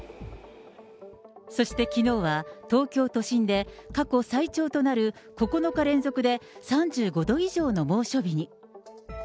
そしてきのうは、東京都心で過去最長となる９日連続で３５度以上の猛暑日に。